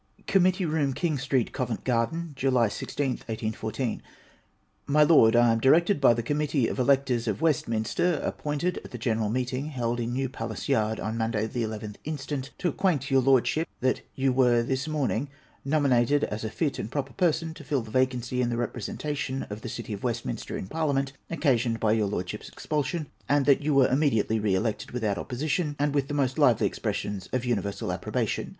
Committee room, Kin" Street, Covent Garden, July ieth, 1814. My Lord, — I am directed by the Committee of Electors of Westminster, appointed at the general meeting held in New Palace Yard, on Monday the 11th instant, to acquaint your Lordship that you were this morning nominated as a fit and proper person to fill the vacancy in the representation of the City of Westminster in Parliament, occasioned hj your Lord ship's expulsion ; and that you were immediately re elected, without opposition, and with the most lively expressions of universal approbation.